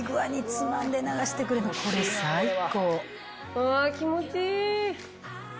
うわ気持ちいい。